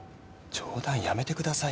冗談やめてくださいよ。